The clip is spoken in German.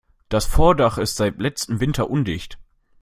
Das Vordach ist seit letztem Winter undicht.